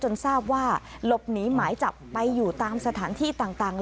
ทราบว่าหลบหนีหมายจับไปอยู่ตามสถานที่ต่าง